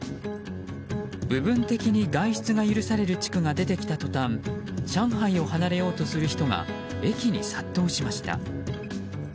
部分的に外出が許される地区が出てきた途端上海を離れようとする人が駅に殺到しました。